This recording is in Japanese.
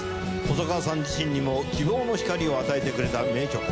細川さん自身にも希望の光を与えてくれた名曲。